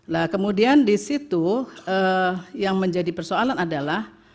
nah kemudian di situ yang menjadi persoalan adalah